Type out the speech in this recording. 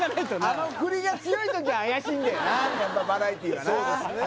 あの振りが強い時は怪しいんだよなやっぱバラエティーはなそうですね